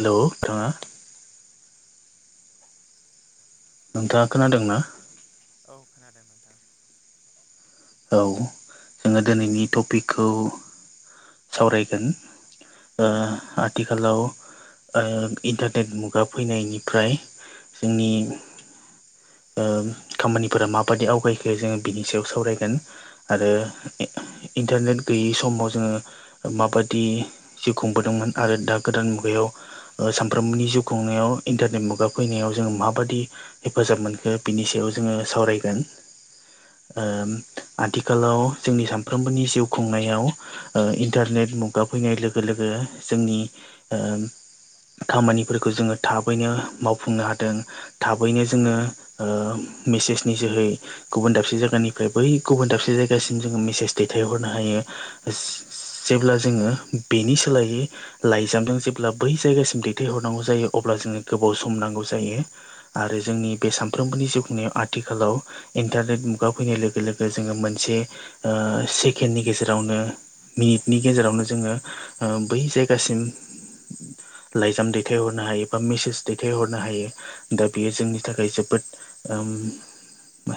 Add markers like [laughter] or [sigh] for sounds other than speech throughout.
हेल' नोंथांङा नोंथाङा खोनादों ना? औ खोनादों नोंथां। औ। जोङो दिनैनि टपिकखौ सावरायगोन ओ आथिखालाव ओ इन्टारटेट मुगा फैनायनिफ्राय जोंनि ओम खामानिफोरा माबाददि आवगायखो जोङो बिनि सायाव सावरायगोन। आरो ए इन्थारनेट गैयै समाव जोङो ओ माबाददि जिउ खुंबोदोंमोन आरो दा गोदान मुगायाव ओ सामफ्रामनि जिउ खुंनायाव इन्टारनेट मुगा फैनायाव जोङो माबाददि हेफाजाब मोनखो बिनि सायाव जोङो सावरायगोन। आथिखालाव जोंनि सानफ्रोमबोनि जिउ खुंनायाव इन्टारनेट मुगा फैनाय लोगो लोगो जोंनि खामानिफोरखौ जोङो थाबैनो मावफुंनो हादों। थाबैनो जोङो मेसेजनि जोहै गुबुन दाबसे जायगानिफ्राय बै गुबुन दाबसे जायगासिम जोङो मेसेज दैथायहरनो हायो। जेब्ला जोङो बेनि सोलायै लाइजामदों जेब्ला बै जायगासिम दैथायहरनांगौ जायो अब्ला जोङो गोबाव सम नांगौ जायो। आरो जोंनि बे सानफ्रोमबोनि जिउ खुंनायाव आथिखालाव इन्टारनेट मुगा फैनाय लोगो लोगो जोङो मोनसे ओ सेकेन्डनि गेजेरावनो मिनिटनि गेजेरावनो जोङो ओ बै जायगासिम लाइजाम दैथायहरनो हायो बा मेसेज दैथायहरनो हायो दा बेयो जोंनि थाखाय जोबोद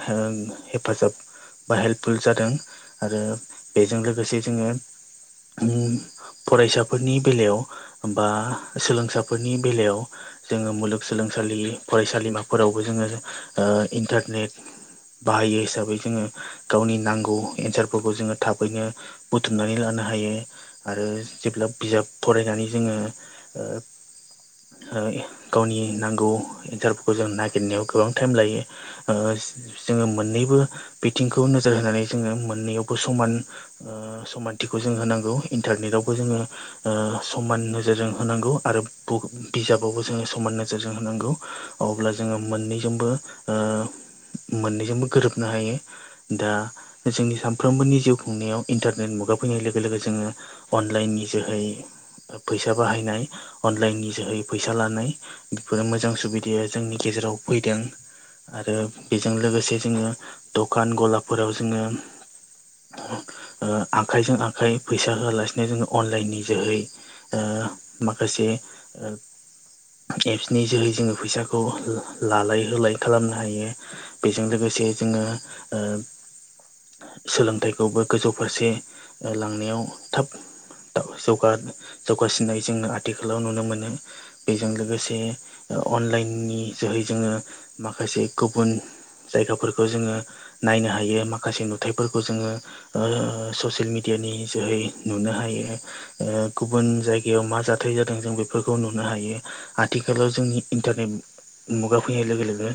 हेफाजाब बा हेल्पफुल जादों आरो बेजों लोगोसे जोङो फरायसाफोरनि बेलायाव बा सोलोंसाफोरनि बेलायाव जोङो मुलुगसोलोंसालि फरायसालिमाफोरावबो जोङो इन्टारनेट बाहायो हिसाबै जोङो गावनि नांगौ एन्सारफोरखौ जोङो थाबैनो बुथुम सनानै लानो हायो आरो जेब्ला बिजाब फरायनानै जोङो। गावनि नांगौ इन्टारभिखौ जों नागिरनायाव गोबां टाइम लायो। ओस जोङो मोननैबो बिथिंखौ नोजोर होनानै जोङो मोननैयावबो समान ओ समानथिखौ जों होनांगौ इन्टारनेटआवबो जोङो समान नोजोरजों होनांगौ आरो बिजाबावबो जोङो समान नोजोरजों होनांगौ। अब्ला जोङो मोननैजोंबो ओ मोननैजोंबो गोरोबनो हायो। दा जोंनि सानफ्रोमबोनि जिउ खुंनायाव इन्टार मुगा फैनाय लोगो लोगो जोङो अनलाइननि जोहै फैसा बाहायनाय अनलाइननि जोहै फैसा लानाय बेफोरो मोजां सुबिदाया जोंनि गेजेराव फैदों। आरो बेजों लोगोसे जोङो दखान गलाफोराव जोङो आखायजों आखाय फैसा होआलासिनो जोङो अनलाइन नि जोहै ओ माखासे ओ एप्सनि जोहै जोङो फैसाखौ लालाय होलाय खालामनो हायो। बेजों लोगोसे जोङो सोलोंथाइखौबो गोजौ फारसे लांनायाव थाब जौगा जौगासिननाय जोंङो आथिखालाव नुनो मोनो। बेजों लोगोसे अनलाइननि जोहै जोङो माखासे गुबुन जायगाफोरखौ जोङो नायनो हायो माखासे नुथायाइफोरखौ जोङो ओ ससियेल मिेडियानि जोहै नुनो हायो। ओ‌ गुबुन जायगायाव मा जाथाय जादों जों बेफोरखौ नुनो हायो। आथिखालाव जोंनि इन्टारनेट मुगा फैनाय लोगो लोगो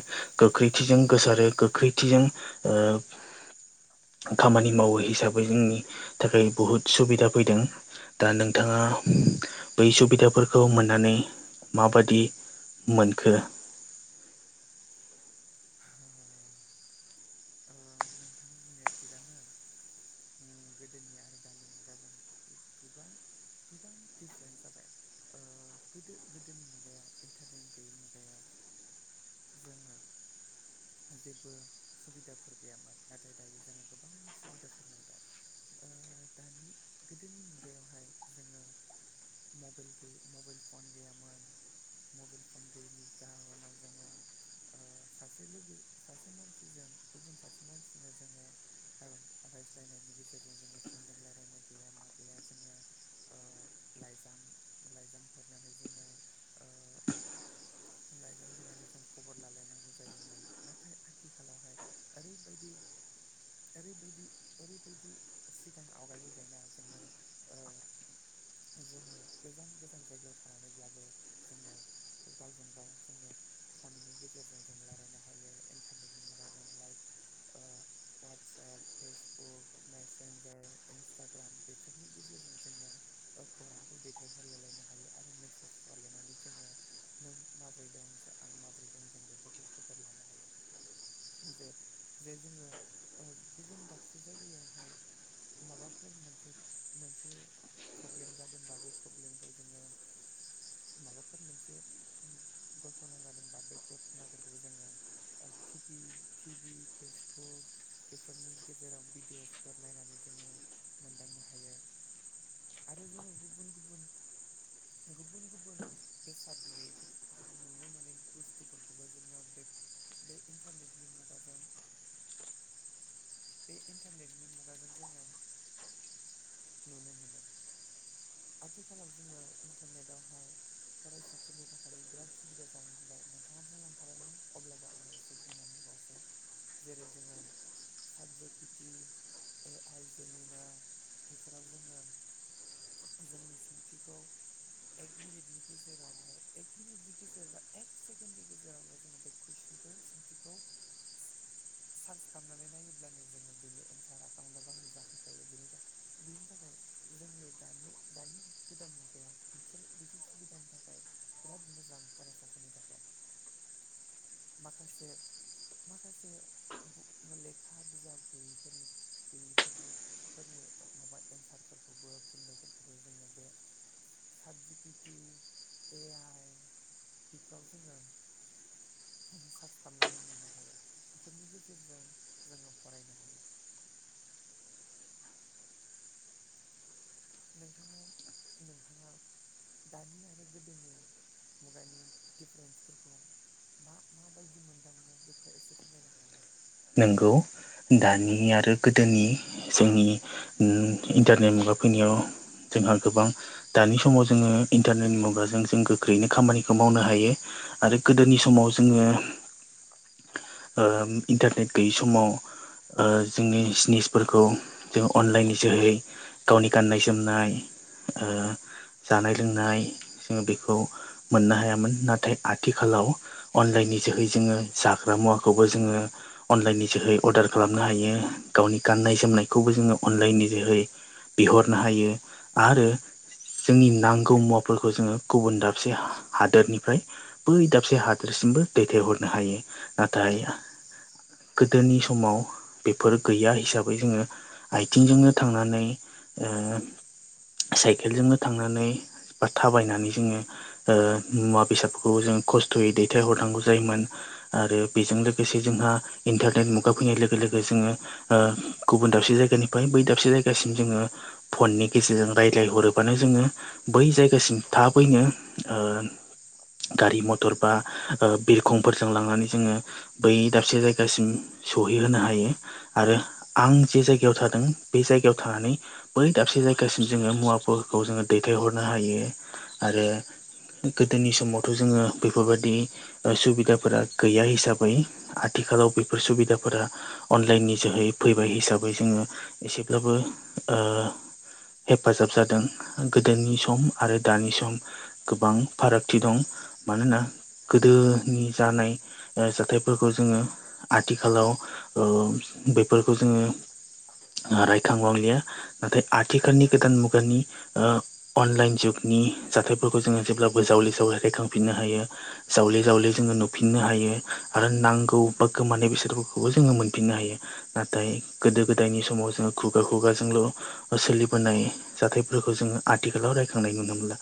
गोख्रैथिजों गोसारो गोख्रैथिजों ओ खामानि मावो हिसाबै जोंनि थाखाय बुहुद सुबिदा फैदों। दा नोंथाङा बै सुबिदाफोरखौ मोननानै माबादि मोनखो अ नोंथां बुंनाया थिगानो। गोदोनि आरो दानि मुगाजों गोबां गोबां दिडिफारेन्स जाबाय। ओ गोदो गोदोनि मुगायाव इन्टारनेेट गैयै मुगायाव जोङो जेबो सुबिदाफोर गैयामोन नाथाय दायो जोङो गोबां सुबिदाफोर मोनबाय। दानि गोदोनि मुगायावहाय जोङो मबाइल गै मबाइल फन गैयामोन। मबाइल फन गैयैनि जाहोनाव जोङो सासे लोगो सासे मानसिजों गुबुन सासे मानसिनो जोङो रायज्लायनायनि गेजेरजों जोङो फनजों रायलायनाय गैया मा गैया जोङो लाइजाम लाइजाम हरनानै जोङो ओ लाइजाम हरनानै जों खबर लालायनांगौ जायोमोन नाथाय आथिखालावहाय ओरैबायदि ओरैबायदि ओरैबायदि सिगां आवगायबोबायना जोङो- जोङो गोजान गोजान जायगायाव थानानैब्लाबो जोङो गावजों गाव जोङो फननि गेजेरजों जों रायलायनो हायो इन्टारनेटनि मुगा जों लाइक ओ वाटसाप फेसबुक मेसेन्जार इन्सटाग्राम बेफोरनि गेजेरजों जोङो खौरांखौ दैथायहरलायलायनो हायो आरो मेसेज हरलायनानै जोङो नों माबोरै दं आं माबोरै दं जों बेफोरखौ खबर लानो हायो। जे जे जोङो गुबुन दाबसे जायगायावहाय माबाफोर मोनसे मोनसे प्रब्लेम जादोंबा बे प्रब्लेमखौ जोङो माबाफोर मोनसे घटना जादोंबा बे घटनाफोरखौ जोङो आरो टिभि टिभि फेसबुक बेफोरनि गेजेराव भिडिअसफोर नायनानै जोङो मोनदांनो हायो। आरो जोङो गुबुन गुबुन गुबुन गुबुन बेसाद नुयैफोर नुनो मोनै बुस्थुफोरखौबो जोङो बे बे इन्टारनेटनि मुगाजों बे इन्टारनेटनि मुगाजों जोङो नुनो मोनो। आथिखालाव जोङो इन्टारनेटवहाय फरायसाफोरनि थाखायबो बिराद सुबिदा जानो होबाय नोंथाङा बुंलांखाबायमोन अब्लाबो आङो एसे बुंनानै होबावसै जेरै जोङो साबजे फेथि ए आइ जेमिना बेफोराव जोङो जोंनि सोंथिखौ एक मिनिटनि गेजेरावहाय एक मिनिटनि गेजेर बा एक सेकेणडनि गेजेरावनो जोङो बे कुइसनखौ सोंथिखौ [inaudible] सार्च खालामनानै नायोब्लानो जोङो बिनि एन्सारा गावनो गाव नुजाफैखायो बेनि थाखाय बिनि थाखाय जोंनि दानि दानि गोदान मुगायाव बेफोर बेफोर सुबिदानि थाखाय बिराद मोजां फरायसाफोरनि थाखाय माखासे माखासे बुक लेखा बिजाब गैयैफोरनि गैयैफोरनि फोरनि माबा एन्सारफोरखौबो फिननायफोरखौबो जोङो बे साट जिपिटि ए आइ बेफ्राव जोङो सार्च खालामनानै मोननो हायो बेफोरनि गेजेरजों जोङो फरायनो हायो। नोंथाङा नोंथाङा दानि आरो गोदोनि मुगानि दिफारेन्सफोरखौ मा माबायदि मोनदाङो बेखौ एसे फोरमायनो हागोन नामा? नोंगौ दानि आरो गोदोनि जोंनि इन्टारनेट मुगा फैनायाव जोंहा गोबां दानि समाव जोङो इन्टारनेटनि मुगाजों जों गोख्रैनो खामानिखौ मावनो हायो। आरो गोदोनि समाव जोङो ओ इन्टारनेट गैयि समाव जोंनि जिनिसफोरखौ जों अनलाइननि जोहै गावनि गाननाय जोमनाय ओ जानाय लोंनाय जों बेखौ मोननो हायामोन नाथाय आथिखालाव अनलाइननि जोहै जोङो जाग्रा मुवाखौबो जोङो अनलाइननि जोहै अर्डार खालामनो हायो गावनि गाननाय जोमनायखौबो जोङो अनलाइननि जोहै बिहरनो हायो आरो जोंनि नांगौ मुवाफोरखौ जोङो गुबुन दाबसे हा-हादोरनिफ्राय बै दाबसे हादोरसिमबो दैथायहरनो हायो नाथाय गोदोनि समाव बेफोर गैया हिसाबै जोङो आथिंजोंनो थांनानै ओ साइकेलजोंनो थांनानै बा थाबायनानै जोङो ओ मुवा बेसादफोरखौबो जों खस्थ'यै दैथायहरनांगौ जायोमोन। आरो बेजों लोगोसे जोंहा इन्टारनेट मुगा फैनाय लोगो लोगो जोङो ओ गुबुन दाबसे जायगानिफ्राय बै दाबसे जायगासिम जोङो फननि गेजेरजों रायज्लायहरोबानो जोङो बै जायगासिम थाबैनो ओ गारि मथर बा ओ बिरखंफोरजों लांनानै जोङो बै दाबसे जाय दासिम सहैहोनो हायो। आरो आं जे जायगायाव थादों बे जायगायाव थानानै बै दाबसे जायगासिम जोङो मुवाफोरखौ जोङो दैथायहरनो हायो आरो गोदोनि समावथ' जोङो बेफोरबायदि सुबिदाफोरा गैया हिसाबै आथिखालाव बेफोर सुबिदाफोरा अनलाइननि जोहै फैबाय हिसाबै जोङो एसेब्लाबो ओ हेफाजाब जादों गोदोनि सम आरो दानि सम गोबां फारागथि दं। मानोना गोदोनि जानाय जाथायफोरखौ जोङो आथिखालाव ओ बेफोरखौ जोङो रायखांबांलिया नाथाय आथिखालनि गोदान मुगानि ओ अनलाइन जुगनि जाथायफोरखौ जोङो जेब्लाबो जावले जावले रायखांफिननो हायो। जावले जावले जोङो नुफिननो हायो आरो नांगौ बा गोमानाय बेसादफोरखौबो जोङो मोनफिननो हायो। नाथाय गोदो गोदायनि समाव जोङो खुगा खुगाजोंल' सोलिबोनाय जाथायफोरखौ जोङो आथिखालाव रायखांनाय नुनो मोनला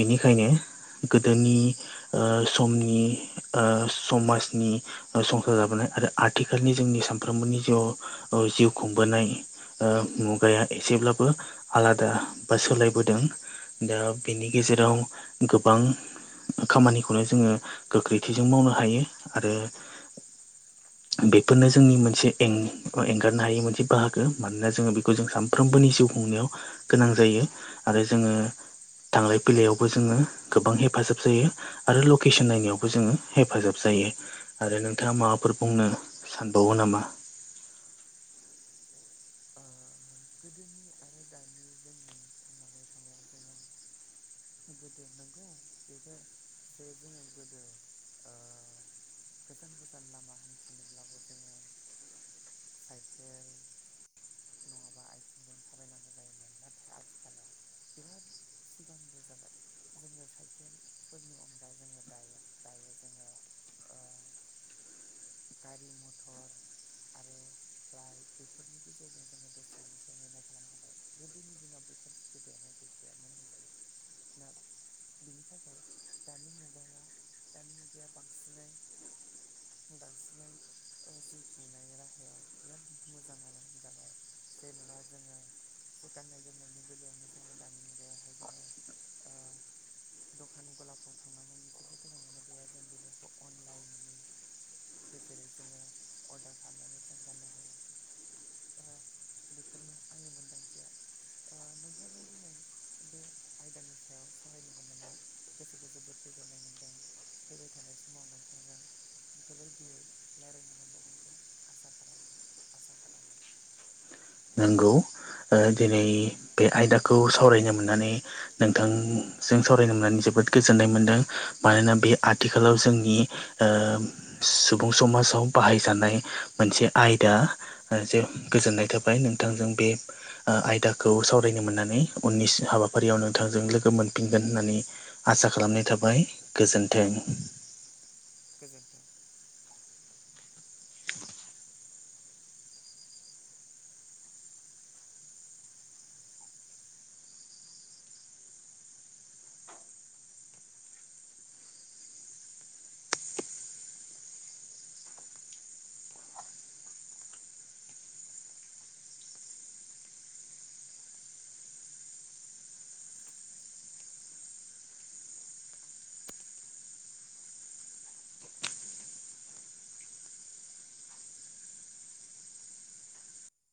बेनिखायनो गोदोनि ओ समनि ओ समाजनि संसार जाबोनाय आरो आथिखालनि जोंनि सानफ्रोमबोनि जिउ ओ जिउ खुंबोनाय ओ मुगाया एसेब्लाबो आलादा बा सोलायबोदों। दा बेनि गेजेराव गोबां खामानिखौनो जोङो गोख्रैथिजों मावनो हायो आरो बेफोरनो जोंनि मोनसे एं एंगारनो हायै मोनसे बाहागो मानोना जोङो बेखौ जों सान साफ्रोमबोनि जिउ खुंनायाव गोनां जायो आरो जोङो थांलाय फैलायावबो जोङो गोबां हेफाजाब जायो। आरो लकेसन नायनायावबो जोङो हेफाजाब जायो। आरो नोंथाङा माबाफोर बुंनो सानबावो नामा? ओ गोदोनि आरो दानि जोंनि थांनानै थानायाव जोङो गोदो नंगौ बेनो जे जोङो गोदो ओ गोजान गोजान लामा हान्थिनोब्लाबो जोङो साइकेल नङाबा आथिंजों थाबायनांगौ जायोमोन नाथाय आथिखालाव बिराद सिगांग्रो जाबाय। जोङो साइकेलफोरनि अनगा जोङो दायो दायो जोङो ओ गारि मथर आरो फ्लाइट बेफोरनि गेजेरजों जोङो दसेैनो सहैनाय खालामनो हाबाय, गोदोनि दिनाव बेफोर सुबिदायानो गैखायामोन होनजायो। ना बिनि थाखाय दानि मुगाया दानि मुगाया बांसिनै [unintelligible] जिउ खुंनाय राहायाव बिराद मोजां आरो। जाबाय जेनेबा जोङो जा गान्नाय जोमनायनि बेलायावनो जोङो दानि मुगायावहाय जोङो दखान गलाफ्राव थांनांगौनि जेबो गोनाङानो गैया जों बेफोरखौ अनलाइनलि गेजेरै जोङो अर्डार खालामनानै जों गाननो हायो। बेफोरनो आंनि मोनदांथिया। नोंथांजों दिनै बे आयदानि सायाव सावरायनो मोननानै गोसोखौ जोबोद गोजोननाय मोन्दों, फैबाय थानाय समाव नोंथांजों बेफोरबायदियै रायलायनो मोनबावगोनखौ आसा खालाम-आसा खालामो। नंगौ ओ दिनै बे आयदाखौ सावरायनो मोननानै नोंथांजों सावरायनो मोननानै जोबोद गोजोननाय मोन्दों। मानोना बे आथिखालाव जोंनि ओ सुबुं समाजाव बाहायजानाय मोनसे आयदा ओ जे गोजोननाय थाबाय नोंथांजों बे ओ आयदाखौ सावरायनो मोननानै उननि सि हाबाफारियाव नोंथांजों लोगो मोनफिनगोन होननानै आसा खालामनाय थाबाय, गोजोन्थों। गोजोन्थों।